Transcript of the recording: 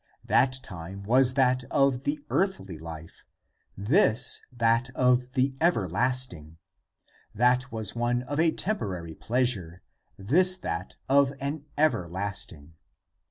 That time was that of the earthly life, this that of the everlasting. That was one of a temporary pleasure, this that of an ever lasting.